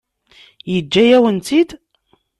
Yeǧǧa-yawen-tt-id?